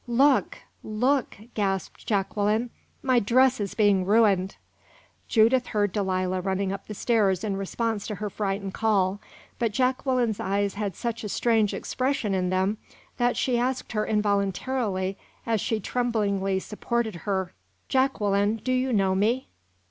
"Look, look!" gasped Jacqueline; "my dress is being ruined!" Judith heard Delilah running up the stairs in response to her frightened call, but Jacqueline's eyes had such a strange expression in them that she asked her involuntarily, as she tremblingly supported her: "Jacqueline, do you know me?"